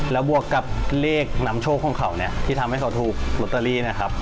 แล้วบวกกับเลขนำโชคของเขาเนี่ยที่ทำให้เขาถูกลอตเตอรี่นะครับ